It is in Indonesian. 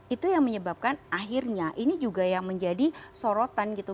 itu yang menyebabkan akhirnya ini juga yang menjadi sorotan gitu